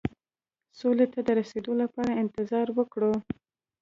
سولې ته د رسېدو لپاره انتظار وکړو.